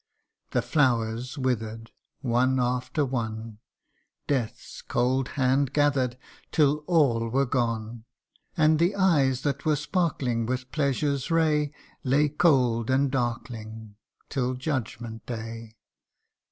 The flowers withered : One after one Death's cold hand gathered, Till all were gone : And the eyes that were sparkling With pleasure's ray, Lay cold and darkling Till judgment day.